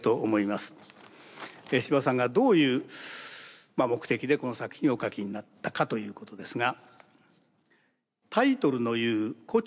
司馬さんがどういう目的でこの作品をお書きになったかということですが。